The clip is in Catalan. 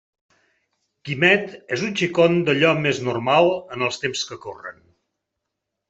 Quimet és un xicon d'allò més normal en els temps que corren.